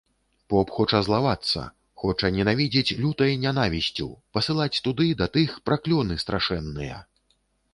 Поп хоча злавацца, хоча ненавідзець лютай нянавісцю, пасылаць туды, да тых, праклёны страшэнныя.